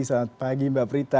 selamat pagi mbak prita